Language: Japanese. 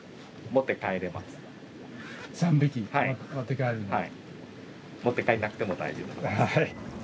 持って帰んなくても大丈夫です。